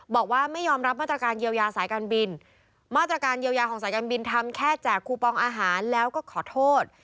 บอกว่าไม่ยอมรับมาตรการเยียวยาสายการบินมาตรการเยียวยาของสายการบินทำแค่แจกคูปองอาหารแล้วก็ขอโทษ